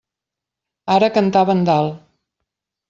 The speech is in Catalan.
Ara cantaven dalt.